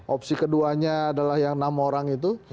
opsi keduanya adalah yang enam orang itu